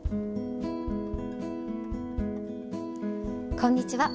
こんにちは。